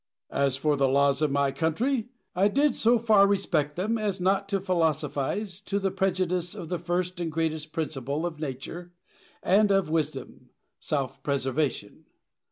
Diogenes. As for the laws of my country, I did so far respect them as not to philosophise to the prejudice of the first and greatest principle of nature and of wisdom, self preservation.